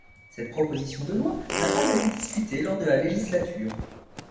Cette proposition de loi n'a pas été discutée lors de la législature.